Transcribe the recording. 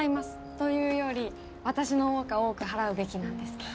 というより私の方が多く払うべきなんですけど。